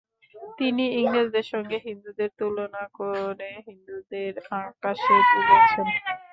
তিনি ইংরেজদের সঙ্গে হিন্দুদের তুলনা করে হিন্দুদের আকাশে তুলেছেন।